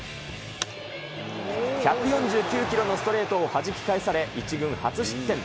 １４９キロのストレートをはじき返され、１軍初失点。